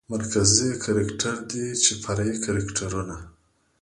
مرکزي کرکتر دى چې فرعي کرکترونه